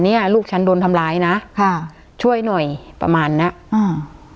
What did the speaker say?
เนี้ยลูกฉันโดนทำร้ายนะค่ะช่วยหน่อยประมาณเนี้ยอ่า